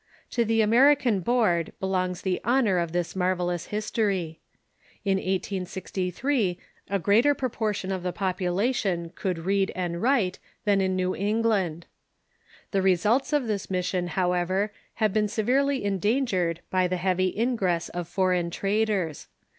To the American Board belongs the honor of this marvellous history. In 1863 a greater pro portion of the population could read and write than in New England. The results of this mission, however, have been se verely endangered by the heavy ingress of foreign traders.